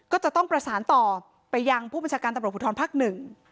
ก็จะต้องประสานต่อไปยังผู้บัญชาการตำรวจภูทรภักดิ์หนึ่ง